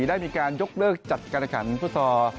ได้มีการยกเลิกจัดการขันฟุตซอล